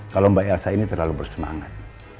kalau mbak elsa ini terlalu bersemangat